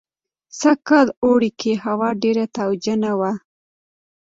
سږ اوړي کې هوا ډېره تاوجنه وه.